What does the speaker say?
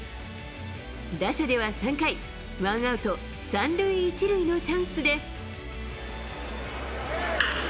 打者では３回、ワンアウト３塁１塁のチャンスで。